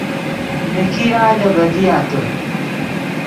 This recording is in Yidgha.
نیکیا لے بدیا کہ